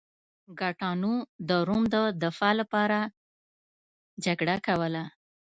ګاټانو د روم د دفاع لپاره جګړه کوله.